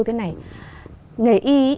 thế này nghề y